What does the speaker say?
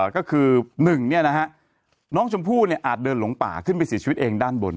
ก็คือ๑น้องชมพู่อาจเดินหลงป่าขึ้นไปเสียชีวิตเองด้านบน